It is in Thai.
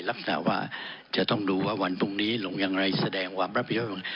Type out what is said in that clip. ลักษณะว่าจะต้องดูว่าวันพรุ่งนี้ลงอย่างไรแสดงความรับผิดชอบ